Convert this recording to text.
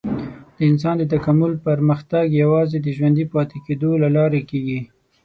د انسان د تکامل پرمختګ یوازې د ژوندي پاتې کېدو له لارې کېږي.